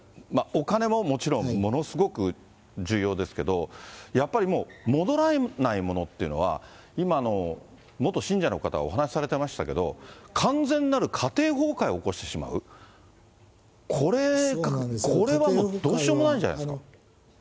お金ももちろん、ものすごく重要ですけど、やっぱりもう、戻らないものというのは、今、元信者の方がお話しされてましたけれども、完全なる家庭崩壊を起こしてしまう、これはもう、どうしようもないんじゃないですか。